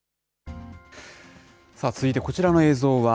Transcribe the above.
さあ、続いてこちらの映像は、